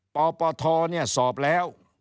ปปทเนี่ยสอบแล้ว